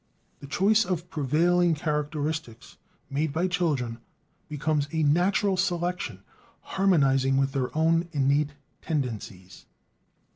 The choice of prevailing characteristics made by children becomes a "natural selection" harmonizing with their own innate tendencies.